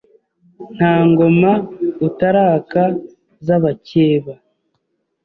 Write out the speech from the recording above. Nta ngoma utaraka z'abakeba